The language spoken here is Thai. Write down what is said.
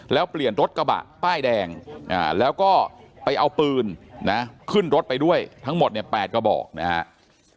แล้วเปลี่ยนรถกระบะป้ายแดงแล้วก็ไปเอาปืนนะขึ้นรถไปด้วยทั้งหมดเนี่ย๘กระบอกนะครับ